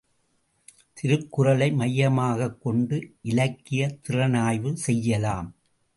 திருக்குறளை மையமாகக்கொண்டு இலக்கியத்திறனாய்வு செய்யலாம்.